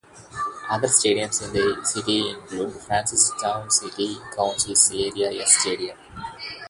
Other stadiums in the city include the Francistown City Council's Area S stadium.